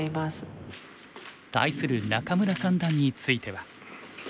対する仲邑三段については。